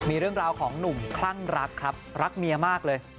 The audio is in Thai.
มีเรื่องราวของหนุ่มคลั่งรักครับรักเมียมากเลย